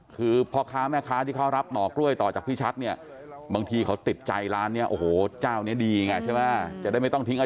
คือพ่อค้าแม่ค้าที่เขารับหนอกล้วยต่อจากพี่ชัดนี่